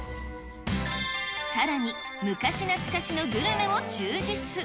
さらに昔懐かしのグルメも忠実。